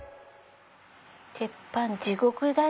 「鉄板地獄谷」